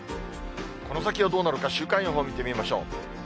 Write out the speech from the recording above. この先はどうなるか、週間予報見てみましょう。